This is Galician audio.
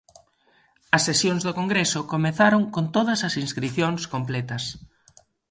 As sesións do Congreso comezaron con todas as inscricións completas.